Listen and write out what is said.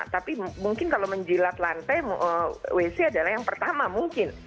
tapi mungkin kalau menjilat lantai wc adalah yang pertama mungkin